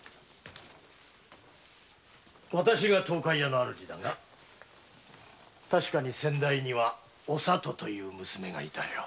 わたしが東海屋の主人だが確かに先代にはお里という娘が居たよ。